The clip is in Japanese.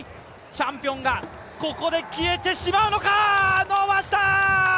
チャンピオンが、ここで消えてしまうのか。